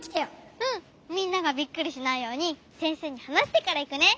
うんみんながびっくりしないようにせんせいにはなしてからいくね。